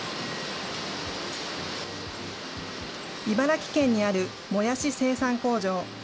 茨城県にあるもやし生産工場。